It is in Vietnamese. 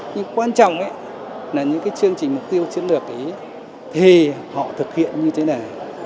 nhưng quan trọng là những cái chương trình mục tiêu chiến lược thì họ thực hiện như thế này